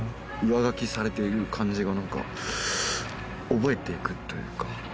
上書きされている感じが何か覚えて行くというか。